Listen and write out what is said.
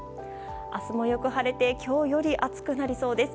明日もよく晴れて今日より暑くなりそうです。